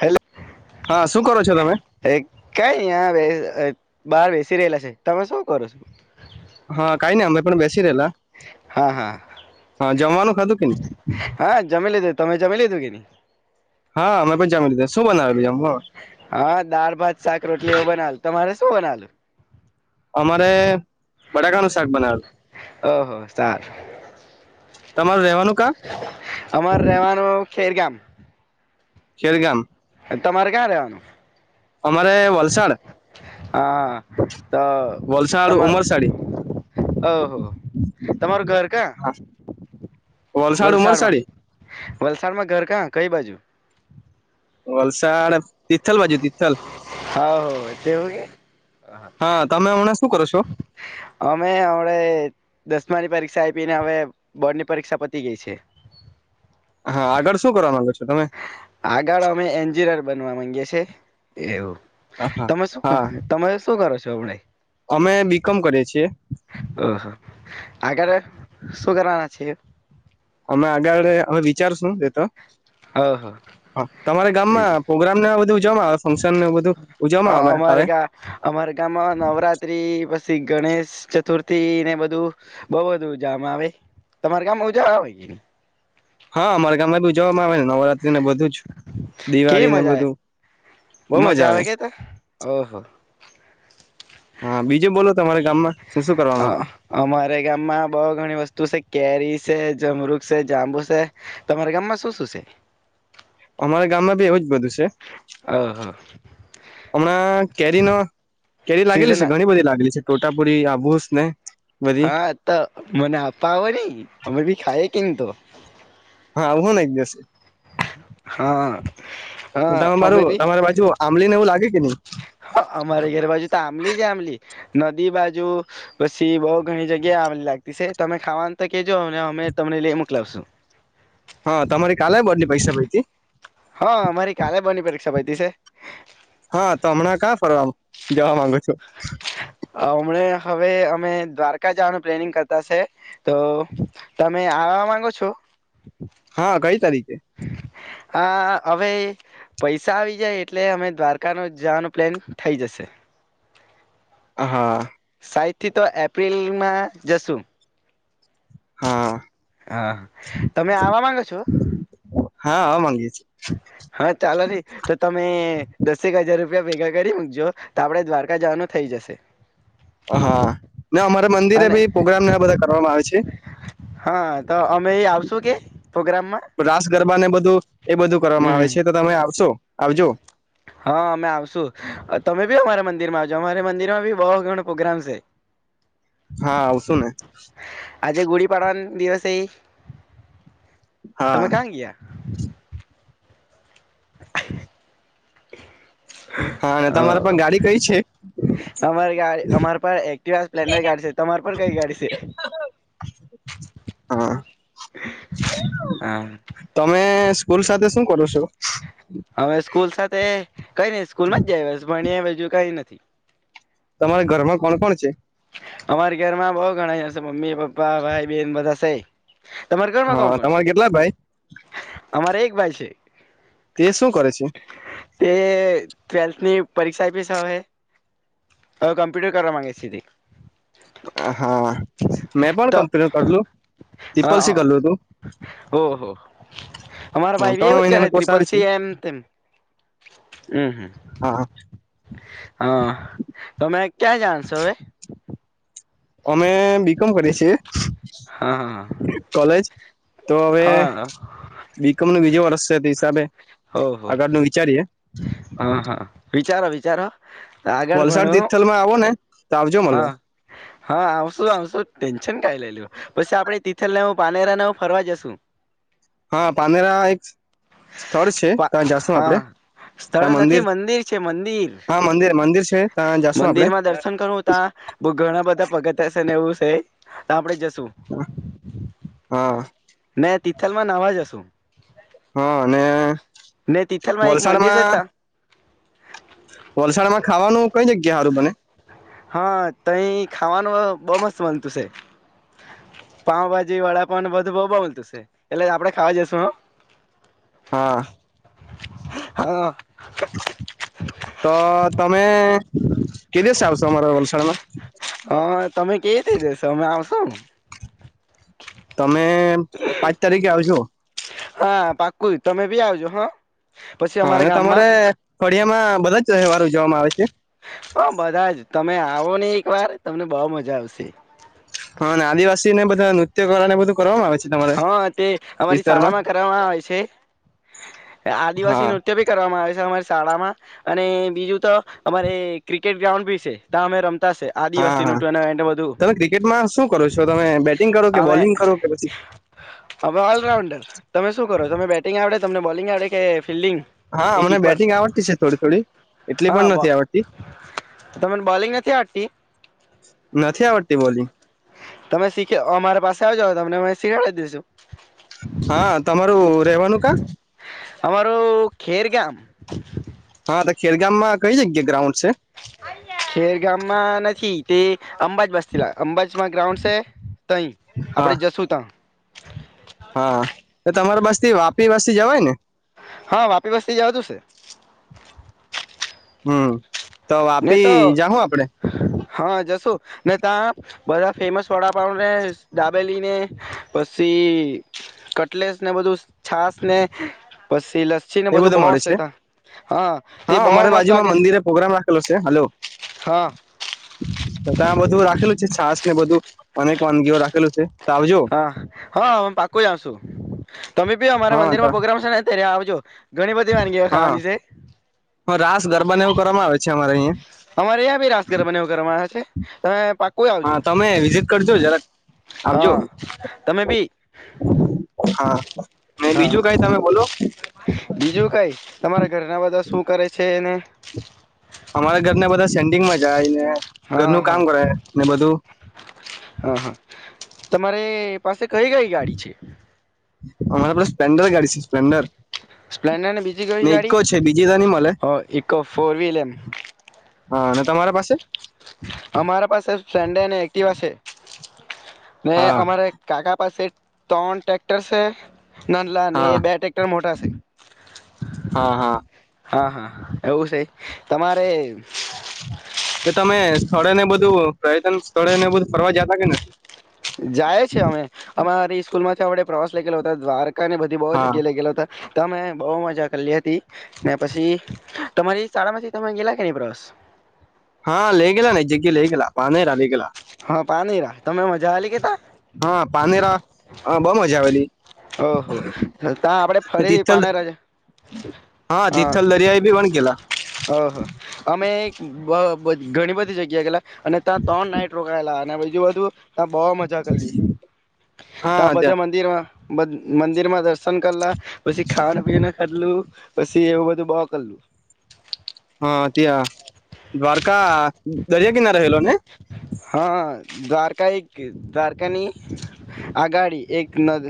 Hello હા શું કરો છો તમે કઈ નઈ આ બેહ બહાર બેસી રહેલા છે તમે શું કરો છો હા કઈ નહી અ પણ બે બેસી રિયેલા હા હા હા જમાનું ખાધું કે ની હા જમી લીધું તમે જમી લીધુ કે ની હા મે પણ જમી લીધા શું બનાવેલુ જમા મા હા શુ બનાવેલુ અમારે બટાકાનું શાક બનાવેલું ઓહો સાર તમારે રહેવાનું કા અમાર રહેવાનું ખેરગામ. ખેરગામ. તમારે ક્યાં રેવાનું? અમારે વલસાડ. આ હા તો વલસાડ તમા ઉમરસાડી ઓહો તમારું ઘર કા? હા વલસાડ વલસાડમાં? ઉમરસાડી વલસાડમાં ઘર કાં કઈ બાજુ? વલસાળ [unintelligible] હ તેવું કે હા તમે હમણાં શું કરો છો અમે [unintelligible] દસમાની પરીક્ષા આપીને, હવે બોર્ડની પરીક્ષા પતી ગેય છે હા આગળ શું કરવા માંગો છો તમે આગળ અમે એન્જીર બનવા માંગીયે છે. એવું હા તમે હા શું તમે શું કરો છ [unintelligible] અમે બીકોમ કરીએ છીએ. ઓહો, આગળ શું કરવાના છીએ? અમે આગળ અમે વિચારશું એતો ઓહો તમારા ગામમાં પ્રોગ્રામ ના બધું ઉજવામાં હા અમારે ગા અમારે ગામમાં નવરાત્રી પછી ગણેશ ચતુર્થી ને બધું બો બધું ઉજામાં આવે. તમારા ગામમાં ઉજા આવે કેની? હા અમારા ગામમાં ભી ઉજવવામાં આવે ને નવરાત્રી ને બધું જ કેવી દિવાળી ને મજા એ બધું મજા આવે કે તો ઓહો હા બીજું બોલો તમારા ગામમાં શું શું કરવામાં આવે અહ અમારે ગામમાં બો ઘણી વસ્તુ છે કેરી છે જમરૂખ છે, જાંબુ છે તમારા ગામમાં શું શું છે? મારા ગામમાં એવું બધું છ છે. ઓહો હમણાં કેરી નો કેરી લાગેલી સીઝન છે, ઘણી બધી લાગેલી છે. તોતાપુરી, હાભુસ ને બધી હા તો મને આપવોની અમે ભી ખયે [unintelligible] હા આવુંને એક દિવસે હા હા ત અમે મારું બી તમારી બાજુ આંબલીને એવું લાગે કે ની? મલી આંબલી નદી બાજુ પછી બોઉ ઘણી જગ્યા આમલી લાગતી છે. તમે ખાવાનું તો કેજો અમે તમને લઈ મોકલાવશું હા તમારી કાલેય બોર્ડની પરીક્ષા પયતી હા અમારી કાલે બોર્ડની પરીક્ષા પતી છે હા તો હમણાં કા ફરવા જવા માંગુ છું હમણા હવે અમે દ્વારકા જવાનું પ્લેનિંગ કરતા છે તો તમે આવવા માંગો છો હા કઈ તારીખ [inaudible] હા હવે પૈસા આવી જાય એટલે અમે દ્વારકાનો જવાનો પ્લાન થઈ જશે હા સાયદથી તો એપ્રિલમાં જશું હા હા તમે આવા માંગો છો હા આવવા માંગીએ હા ચાલો ને તો તમે દસેક હજાર રૂપ રૂપિયા ભેગા કરી મૂકજો, તો આપડે દ્વારકા જવાનું થઈ જશે. હા, અમારે મંદિરે અને બી પ્રોગ્રામ ને બધા કરવામાં આવે છે. હા, તો અમે એ આવશું કે. પ્રોગ્રામમાં રાસ ગરબા ને બધું એ બધું કરવામાં આવે હમ છે. તો તમે આવશો. આવજો. હા, અમે આવશું. તમે બી અમારા મંદિર માં આવજો અમારે મંદિર માં બી બહુ ઘણો પ્રોગ્રામ છે. હા આવશું ને આજે, ગુડી પડવા ના દિવસે એ. હા તમે કયા ગયાં. અવાજ નથી. [unintelligible] હા અને તમારા પણ ગાડી કઈ છે અમારી ગાડી અમારી પાસે એક્ટીવા, સ્પ્લેન્ડર ગાડી છે. તમારી પર કઈ ગાડી છે. હા હા તમે સ્કૂલ, વિચાર શું કરો છો. [unintelligible] [inaudible] હ, [unintelligible] હવે સ્કૂલ સાથે કઈ નઈ સ્કૂલ જાય એસ ભણવા. [unintelligible] કઈ નથી. તમારા ઘરમાં કોણ, કોણ, છે. અમારી ઘર માં બઉ ઘણા જશે મમ્મી પપ્પા ભાઈ બેન બધા છે. તમારા ઘરમાં કોણ હા કોણ છે. તમારે કેટલા ભાઈ અમારે એક ભાઈ છે. છે. [unintelligible] તે શું કરે છે તે ટ્વેલ્થ ની પરીક્ષા આપી છે. હવે હવે કમ્પ્યુટર કરવા માગે છી. તે હા, મેં પણ તો કમ્પ્પૂટર કરેલું હા ત્રીપલ સી હા કરેલું હતું. ઓહો અમારા ભાઈ બી ત્રણ એવું જ કરે મહિના કોષ આવે ત્રિપલ છે. સી એમ તેમ હમ હા હા તમે ક્યાં, જાવ છો હવે અમે બીકોમ, કરીએ છીએ. હા કોલેજ તો હવે હા હા બીકોમ નું બીજું વર્ષ. થી હિસાબે. ઓહો આગળ નું વિચારીએ. હા હા વિચારો વિચારો. આગળ ભણો વલસાડ તિથલ માં આવો ને. તો આવજો હા મળલવા. હા, આવશું આવશું ટેન્શન કા લઈ લો પછી આપડે તિથલ ના પાનેરા ના ફરવા જશુ હા, પારનેરા એક સ્થળ છે ત્યાં જશું હા આપડે સ્થળ નથી મંદિર છે મંદિર, હા મંદિર મંદિર છે ત્યાં જાશું આપડે મંદિર માં દર્શન કરું તા, બ ઘણા બધા પગથીયા શે ને એવું એ આપણે જ સું. હા ને તિથલ માં નાવા જશું. હા અ ને ને તિથલમાં એક મંદિર છે વલસાડમાં ત્યાં. વલસાડમાં ખાવાનું કઈ જગ્યા હા રું બને? હા તહી ખાવાનું બો મસ્ત મલતું છે, પાઉભાજી વડાપાવ બધું બઉ બધું છે, એટલે આપડે ખાવા જઈશું હ. હા. હા. તો ત તમે કે દિવસે અમારા વલસાડમાં. શું. અમે પાંચ તારીખે આવજો. હા પાકુ તમે બી આવજો હા. પછી હા અમારા અને ગામમાં તમારે ફડિયામાં બધા જ તહેવાર ઉજવવામાં આવે છે. હા બધા જ તમે આવો ને એક વાર તમને બઉ મજા આવશે. હા અને આદિવાસી બધા નૃત્ય કરવા ને બધું કરવામાં આવે છે તમારે હા તે અમારી શાળા વિસ્તારમાં માં કરવામાં આવે છે, આદિવાસી હા નૃત્ય ભી કરવામાં આવે છે. અમારી શાળામાં, અને બીજું તો અમારે ક્રિકેટ ગ્રાઉન્ડ ભી શે ત્યા અમે ર હા હા તમે ક્રિકેટમાં શું કરો છો તમે બેટિંગ કરો કે બોલિંગ કરો કે પછી અમે ઓલરાઉન્ડર તમે શું કરો તમે બેટિંગ આવડે? તમને બોલિંગ આવડે કે ફિલ્ડિંગ હા કે અમને કીપર બેટિંગ આવડતી છે થોડી થોડી એટલી હા પણ બ નથી આવડતી, તમને બોલિંગ નથી આવડતી નથી આવડતી બોલિંગ. તમે શીખ અમારા પાસે આવજો તમને અમે સિખાવી દઈશું. હા તમારું રહેેવાનું કા? આમારું ખેરગામ. હા તો ખેરગામમાં કઈ જગ્યા ગ્રાઉન્ડ છે? ખેર ગામમાં નથી તે, અંબાજ બસલા અંબાજ ગ્રાઉન્ડ છે, તહી હા આપડે જશું ત. હા તો તમારા વાપી વાથી જવાય ને? હા વાપી બસતી જ આવ તું છે. હમ. તો નહી વાપી તો જાહું આપડે હા જશુ. ને ત્યાં બધા ફેમસ વડાપને ડાબેલીને, પછી કટલેસ ને બધું છાસ ને પી તે લસ્સી ને એ બધું મળે બોસે છે ત હા તે બહ મસ્ત લાગે છે. હલો છે. હલો હા બધું રાખેલું છે. છાશ ને બધું અનેક વાનગીઓ રાખેલું છે. તો આવજો હા, હા અમે પાકું આવશું. તમે બી અમારા હા મંદિર માં પ્રોગ્રામ છે ને ત્યારે જો. હા, હું રાસ ગરબાને એવું કરવામાં આવે છે. અચછા અમારે અહીયા. અમારે અ્યાં ભી રાસગરબાને એવું કરવાના છે. [unintelligible] હા તમે વિઝિટ કરજો જરાક આવજો હા તમે બી હા. ને હા, બીજું કઈ તમે બોલો બીજું કઈ તમારા ઘરના બધા શું કરે છે એને અમારા ઘર બધા સેન્ડિંગમાં જાય ને હા ઘરનું હા કામ કરે ને બધું હા હા તમારે પાસે કઈ, કઈ ગાડી છે? [unintelligible] અમારે બસ સ્પ્લેન્ડર ગાડી છે સ્પ્લેન્ડર સ્પ્લેન્ડર બીજી કઈ ને ઈકો છે બીજી તો ની મલે ગાડી એક ફોર વ્હીલ એમ તમારા પાસે અમારા પાસે ફન્ડે અને એક્ટિવા છે. ને હા અમારે કાકા પાસે ત્રણ ટ્રેક્ટર છે. નાનલા ને હા એ બે ટ્રેક્ટર મોટા છે. હા હા હા હા એવું છે. તમારે. તમે સ્થળે ને બધું પ્ર્યટન સ્થળેને બધું ફરવા જતા કે નથી. જાય છે અમે અમારે એ સ્કૂલમાંથી આપણે પ્રવાસે લઈ ગયેલા હતા દ્વાર અને બધી બહુ હા જગ્યાએ લઇ ગયેલા હતા. તમે બહુ મજા કરલી હતી ને પછી તમારી શાળામાંથી તમે ગેલા કે ની પ્રવાસ. હા, લઈ ગેલા નજીક લઈ ગેલા પાનેરા લઈ ગેલા. હા પાનેરા તમે મજા હાલી કેતા. હા પાનેરા બહુ મજા આવેલી. ઓહો તા આપડે ફરી તિથલ પાના હા તિથલ દરિયાએ બી પણ ગેલા ઓહો અમે ઈ બ ઘણી બધી જગ્યા એ ગેલા. અને તા ત્રણ નાઈટ રોકાયેલા અને જે અધુ તા બહુ મજા કરલીએ તા હા બધે ત્યાં મંદિરમાં મદ મંદિરમાં દર્શન કરલા પછી ખાન પીને ખદલુ પછી એવું બધું બો કરલું. હા ત્યાં દ્વારકા દરિયા કિનારે રહેલો ને હા અ દ્વારકા એક દ્વારકાની આગાડી એક નદ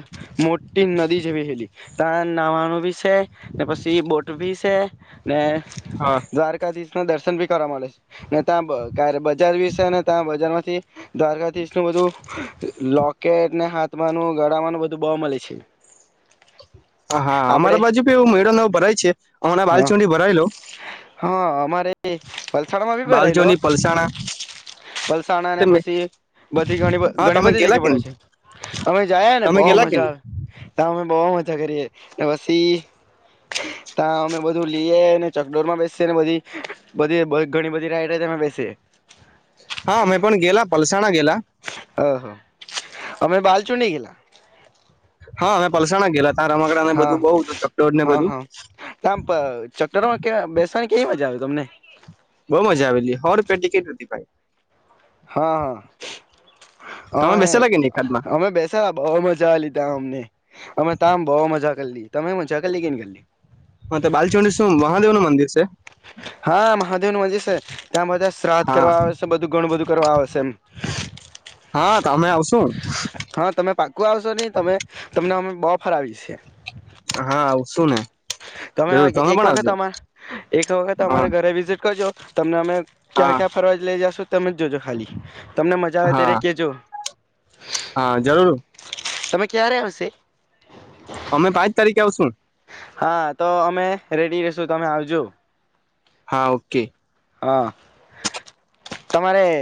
મોટી નદી જેવી હેલી તા નાવાનું ભી છે ને પછી બોટ ભી છે. અને હા દ્વારકાધીસ ના દર્શન ભી કરવા મળે છે ને તા બ ક્યારે બજાર વિશે અને તા બજાર માંથી દ્વારકાઘીશ નું બધું લોકેટ ને હાથમાંનું ગળાનું બધું બવ મલે છે. હા આપડે અમારા બાજુ બી એવું મેળો ને એવું ભરાય છે હમણાં બાલચુંડી ભરાય લો હ અમારે બાલજોની પલસાણા વલસાણા ને પછી બધી હા ઘણી તમે બધી ગેલા જગ્યા કે નહી પડે છે અમે જાયા ને તમે બવ ગેલા કે મજા નહી આવે તા અમે બ વ મજા કરીએ ને વસ્તી તા અમે બધું લીએ ચકડોરમાં બેસીએ ને બધી ઘણી બધી રાઈડમાં અમે બેસીએ. હા મેં પણ ગેલા પલસાણા ગેલા અહ અમે બાલ ચુંડી ગેલા. હા અમે પલસાણા ગેલા ત્યાં રમકડા ને બધું હા-હા. બહુ હતું ચકડોળ ને બધું હા આમ ચકડોર માં ક્યાં બેસાય કેવી મજા આવે તમને ટિકટ રૂધતી પડી. હા તમે અમે બેસેલા કે નહી એકાદમાં અમે બેસા બઉ મજા આલી તા અમને અમે તા બવ મજા કરલી તમે મજા કલી કે નઈ કલી. માતા બાાલચંડીશવ મહાદેવ નું મંદિર છેે. હા મહાદેવ નું હજી સે. ત્યાં બધા શ્રાદ્ધ હા કરવા આવે છે, બધું ઘણું બધું કરવા આવે છે એમ. હા તમે આવશો? પાકું આવશો ની તમે, તમને અમે બ ફરાવી છે. હા આવશું ને તમે જરૂર એક પણ વખત આવજો અમાર, એક વખત હા અમારે ઘરે વિઝિટ કરજો. તમને અમે ક્યાં હા ક્યાં ફરવાજ લઈ જાસુ તમે જ જોજો ખાલી. તમને મજા આવે હા ત્યારે કેજો. હા જરૂર. તમે ક્યારે આવશે? અમે પાંચ તારીખે આવશું. હા તો અમે રેડી રેશું, તમે આવજો. હા ઓકે. હા, તમારે